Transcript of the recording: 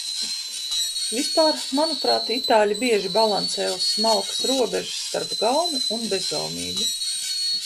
Vispār, manuprāt, itāļi bieži balansē uz smalkas robežas starp gaumi un bezgaumību.